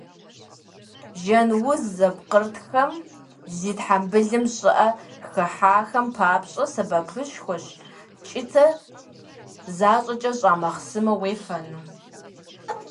Жьэн уз зыпкърытхэм, зи тхьэмбылым щӀыӀэ хыхьахэм папщӏэ сэбэпышхуэщ кӀытэ защӀэкӀэ щӀа махъсымэ уефэну.